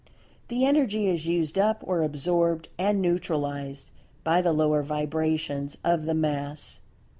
The Energy is used up or absorbed, and neutralized by the lower vibrations of the Mass.